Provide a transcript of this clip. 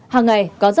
hàng ngày có rất nhiều